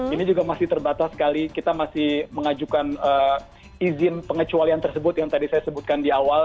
ini juga masih terbatas sekali kita masih mengajukan izin pengecualian tersebut yang tadi saya sebutkan di awal